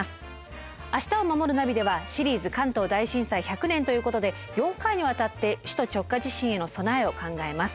「明日をまもるナビ」では「シリーズ関東大震災１００年」ということで４回にわたって首都直下地震への備えを考えます。